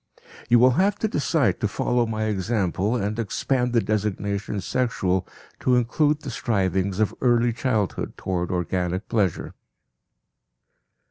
You will have to decide to follow my example and expand the designation "sexual" to include the strivings of early childhood toward organic pleasure.